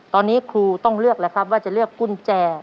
ตอนนี้ครูต้องเลือกแล้วครับว่าจะเลือกกุญแจ